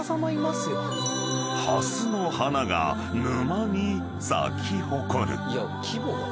［ハスの花が沼に咲き誇る］